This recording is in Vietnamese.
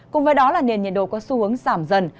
cùng với đó là nền nhiệt độ có xu hướng giảm dần